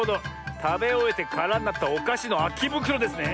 たべおえてからになったおかしのあきぶくろですね。